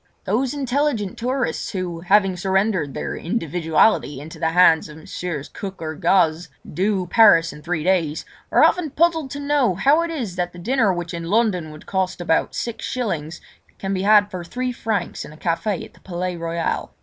Those intelligent tourists who, having surrendered their individuality into the hands of Messrs. Cook or Gaze, "do" Paris in three days, are often puzzled to know how it is that the dinner which in London would cost about six shillings, can be had for three francs in a café in the Palais Royal.